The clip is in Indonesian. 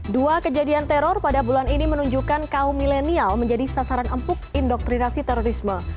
dua kejadian teror pada bulan ini menunjukkan kaum milenial menjadi sasaran empuk indoktrinasi terorisme